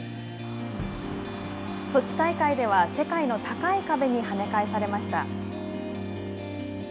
ソチ大会では世界の高い壁にはね返されました。